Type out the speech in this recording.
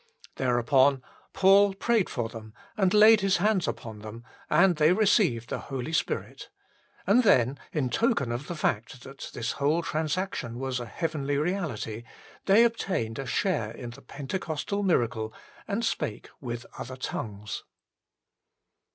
Thereupon Paul prayed for them and laid his hands upon them, and they received the Holy Spirit ; and then, in token of the fact that this whole transaction was a heavenly reality, they obtained a share in the Pentecostal miracle, and spake " with other tongues."